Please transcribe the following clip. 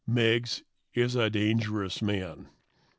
Meggs is a dangerous man.